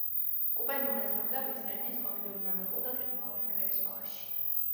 კუპერი მონაწილეობდა ვესტერნის, კომედიურ, დრამატულ და კრიმინალური ჟანრების ფილმებში.